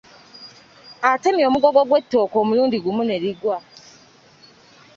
Atemye omugogo gw’ettooke omulundi gumu ne ligwa.